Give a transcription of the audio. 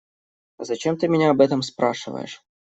Зачем ты меня об этом спрашиваешь?